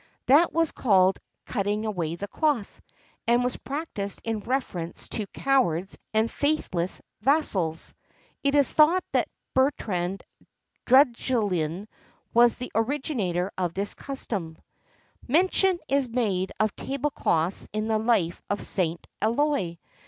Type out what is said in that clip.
That was called "cutting away the cloth," and was practised in reference to cowards and faithless vassals. It is thought that Bertrand Duguesclin was the originator of this custom.[XXXII 75] Mention is made of table cloths in the life of St. Eloi.